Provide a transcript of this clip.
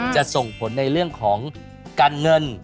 จะส่งผลในเรื่องของการเงิน